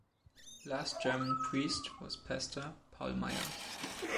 Last German priest was pastor “Paul Meyer”.